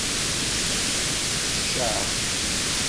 Tecca.